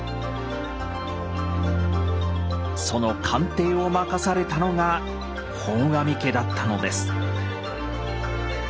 その鑑定を任されたのが本阿弥家だったのです。